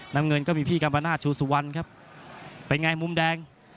น้ำเงินก็มีพี่กัมปนาศชูสุวรรณครับเป็นไงมุมแดง